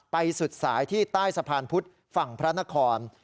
สุดสายที่ใต้สะพานพุทธฝั่งพระนคร